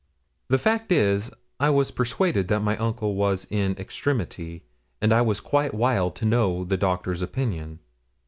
The fact is, I was persuaded that my uncle was in extremity, and I was quite wild to know the doctor's opinion.